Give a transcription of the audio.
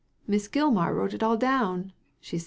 " Miss Gilmar wrote it all down," she said.